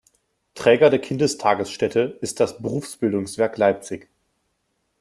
Träger der Kindertagesstätte ist das Berufsbildungswerk Leipzig.